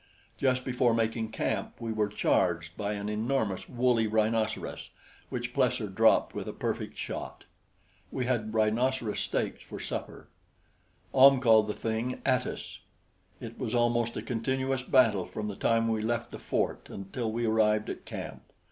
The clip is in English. Just before making camp we were charged by an enormous woolly rhinoceros, which Plesser dropped with a perfect shot. We had rhinoceros steaks for supper. Ahm called the thing "Atis." It was almost a continuous battle from the time we left the fort until we arrived at camp.